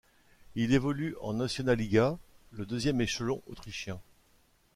Il évolue en Nationalliga, le deuxième échelon autrichien.